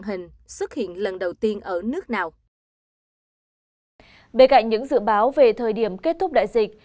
bên cạnh những dự báo về thời điểm kết thúc đại dịch